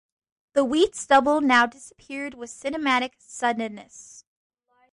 The wheat stubble now disappeared with cinematic suddenness.